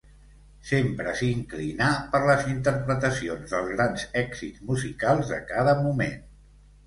Sempre s'inclinà per les interpretacions dels grans èxits musicals de cada moment.